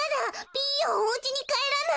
ピーヨンおうちにかえらない。